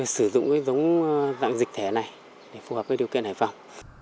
sử dụng giống dạng dịch thể này để phù hợp với điều kiện hải phòng